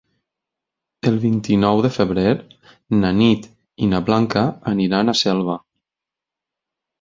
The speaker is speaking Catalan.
El vint-i-nou de febrer na Nit i na Blanca aniran a Selva.